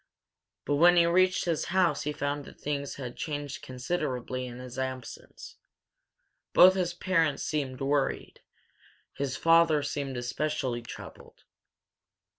But when he reached his house he found that things had changed considerably in his absence. Both his parents seemed worried; his father seemed especially troubled.